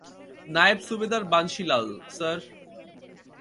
নায়েব সুবেদার বানশি লাল, স্যার।